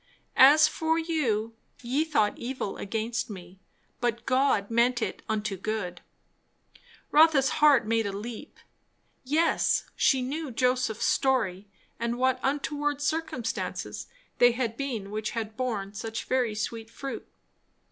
"As for you, ye thought evil against me; but God meant it unto good, " Rotha's heart made a leap. Yes, she knew Joseph's story, and what untoward circumstances they had been which had borne such very sweet fruit.